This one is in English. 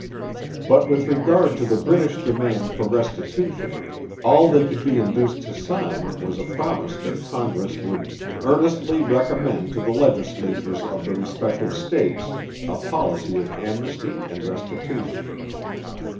But with regard to the British demand for restitution, all they could be induced to sign was a promise that Congress would 'earnestly recommend to the legislatures of the respective states' a policy of amnesty and restitution.